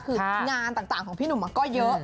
คืองานต่างของพี่หนุ่มก็เยอะ